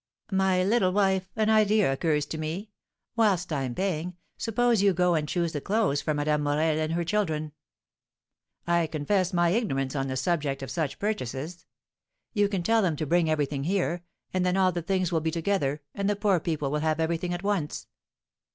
"My little wife, an idea occurs to me; whilst I am paying, suppose you go and choose the clothes for Madame Morel and her children? I confess my ignorance on the subject of such purchases. You can tell them to bring everything here, and then all the things will be together, and the poor people will have everything at once."